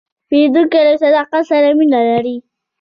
پیرودونکی له صداقت سره مینه لري.